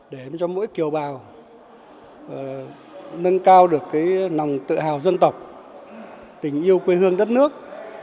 để cho mỗi kiều bào nâng cao được lòng tự hào dân tộc tình yêu quê hương đất nước